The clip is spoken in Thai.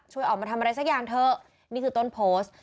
ช่วยออกมาทำอะไรสักอย่างเถอะนี่คือต้นโพสต์